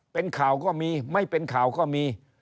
เป็นข่าวก็มีไม่เป็นข่าวก็มี